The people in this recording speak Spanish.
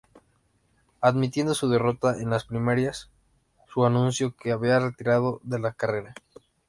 Admitiendo su derrota en las primarias, Su anunció que había retirado de la carrera.